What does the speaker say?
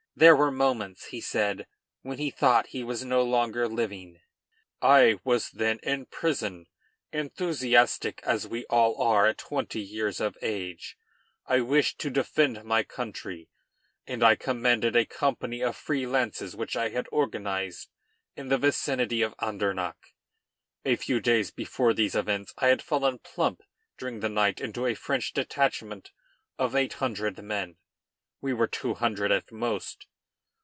There were moments, he said, when he thought he was no longer living. I was then in prison. Enthusiastic, as we all are at twenty years of age, I wished to defend my country, and I commanded a company of free lances, which I had organized in the vicinity of Andernach. A few days before these events I had fallen plump, during the night, into a French detachment of eight hundred men. We were two hundred at the most.